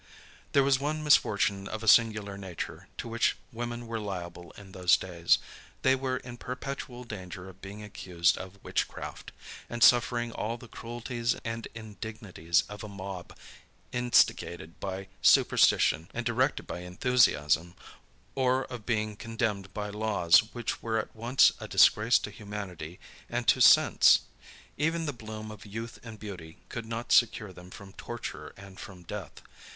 There was one misfortune of a singular nature, to which women were liable in those days: they were in perpetual danger of being accused of witchcraft, and suffering all the cruelties and indignities of a mob, instigated by superstition and directed by enthusiasm; or of being condemned by laws, which were at once a disgrace to humanity and to sense. Even the bloom of youth and beauty could not secure them from torture and from death.